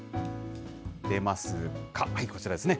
出ますか、こちらですね。